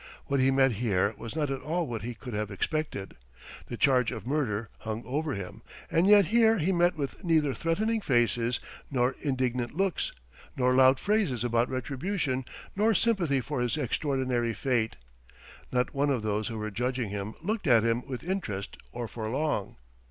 What he met here was not at all what he could have expected. The charge of murder hung over him, and yet here he met with neither threatening faces nor indignant looks nor loud phrases about retribution nor sympathy for his extraordinary fate; not one of those who were judging him looked at him with interest or for long.